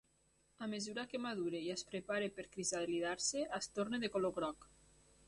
A mesura que madura i es prepara per crisalidar-se, es torna de color groc.